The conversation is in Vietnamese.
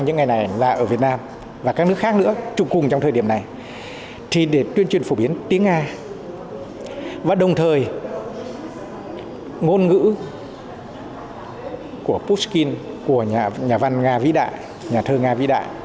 ngôn ngữ của pushkin của nhà văn nga vĩ đại nhà thơ nga vĩ đại